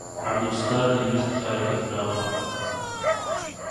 عەبدولستار دەیویست کارەکەی فراوان بکات.